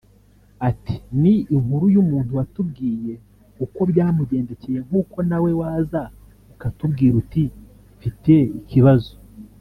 Ati “Ni inkuru y’umuntu watubwiye uko byamugendekeye nk’uko nawe waza ukatubwira uti mfite ikibazo